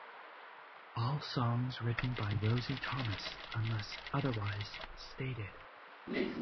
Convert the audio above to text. All songs written by Rosie Thomas unless otherwise stated.